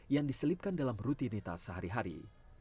yang diselipkan dalam rutinitas sehari hari